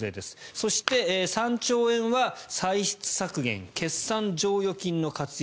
そして、３兆円は歳出削減、決算剰余金の活用